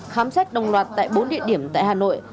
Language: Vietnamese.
khám xét đồng loạt tại bốn địa điểm tại hà nội